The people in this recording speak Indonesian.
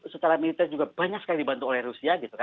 setara militer juga banyak sekali dibantu oleh rusia